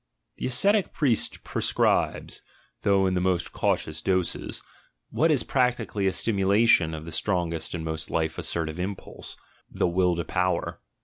The ascetic priest pre scribes, though in the most cautious doses, what is prac tically a stimulation of the strongest and most life assertive impulse — the Will for Power.